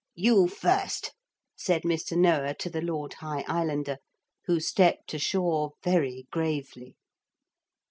'You first,' said Mr. Noah to the Lord High Islander, who stepped ashore very gravely.